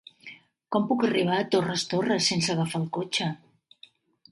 Com puc arribar a Torres Torres sense agafar el cotxe?